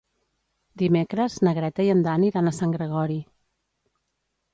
Dimecres na Greta i en Dan iran a Sant Gregori.